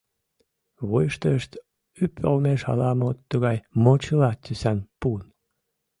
Вуйыштышт — ӱп олмеш ала-мо тугай мочыла тӱсан пун.